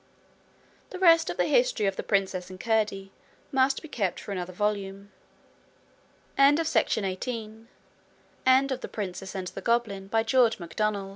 The rest of the history of The Princess and Curdie must be kept for another volume. End of Project Gutenberg's The Princess and the Goblin, by George MacDonald